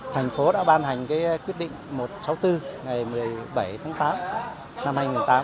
thành phố đã ban hành quyết định một trăm sáu mươi bốn ngày một mươi bảy tháng tám năm hai nghìn một mươi tám